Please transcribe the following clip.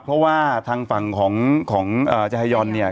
เพราะว่าทางฝั่งของจฮายอนเนี่ย